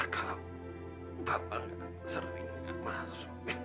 kalau bapak sering masuk